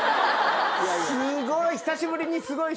すごい。